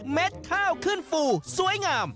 ข้าวขึ้นฟูสวยงาม